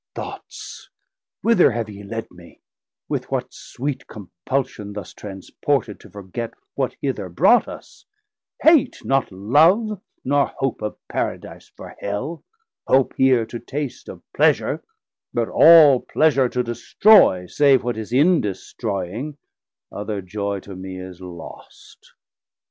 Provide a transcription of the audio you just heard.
Thoughts, whither have he led me, with what sweet Compulsion thus transported to forget What hither brought us, hate, not love, nor hope Of Paradise for Hell, hope here to taste Of pleasure, but all pleasure to destroy, Save what is in destroying, other joy To me is lost.